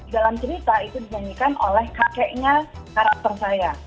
dalam cerita itu dinyanyikan oleh kakeknya karakter saya